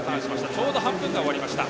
ちょうど半分が終わりました。